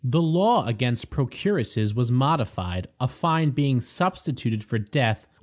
The law against procuresses was modified, a fine being substituted for death.